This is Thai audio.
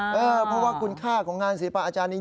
เพราะว่าคุณค่าของงานศิษย์ภาพอาจารย์นี้